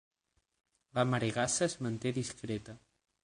La maregassa es manté discreta.